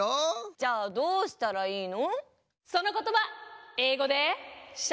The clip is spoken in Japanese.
⁉じゃあどうしたらいいの？え？あう？